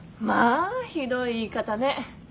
まあひどい言い方ね。